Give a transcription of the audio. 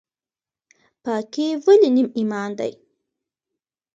پاکي ولې نیم ایمان دی؟